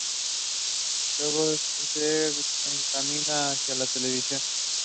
Luego se encamina hacia la televisión.